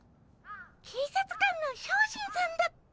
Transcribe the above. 警察官の小心さんだっ。